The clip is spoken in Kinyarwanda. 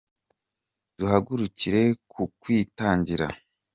Duhagurukiye kukwitangira